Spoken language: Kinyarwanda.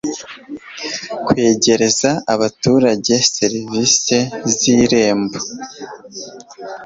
kwegereza abaturage serivisi z irembo